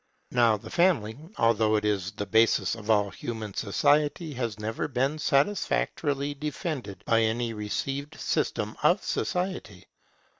Now the Family, although it is the basis of all human society, has never been satisfactorily defended by any received system of society.